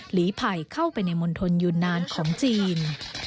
หลีภัยเข้าไปในมณฑลยูนานของจีน